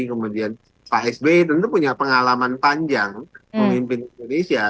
kemudian pak sby tentu punya pengalaman panjang memimpin indonesia